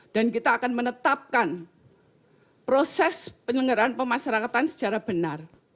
dan kita akan menetapkan proses penyelenggaran pemasyarakatan secara benar